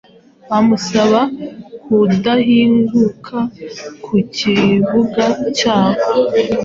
bamusaba kudahinguka ku kibuga cyabo